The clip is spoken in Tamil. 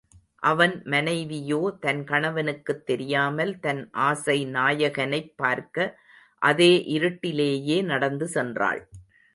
அவன் மனைவியோ தன் கணவனுக்குத் தெரியாமல் தன் ஆசைநாயகனைப் பார்க்க அதே இருட்டிலேயே நடந்து சொன்றாள்.